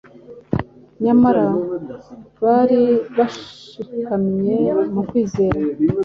Nyamara bari bashikamye mu kwizera